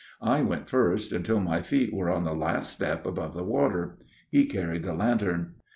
I went first, until my feet were on the last step above the water. He carried the lantern.